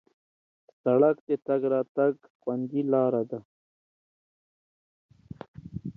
سړک د تګ راتګ خوندي لاره ده.